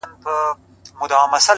ژړا مي وژني د ژړا اوبـو تـه اور اچـوي ـ